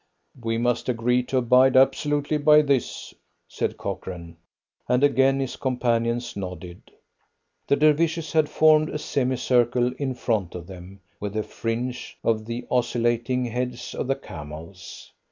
"We must agree to abide absolutely by this," said Cochrane, and again his companions nodded. The Dervishes had formed a semicircle in front of them, with a fringe of the oscillating heads of the camels.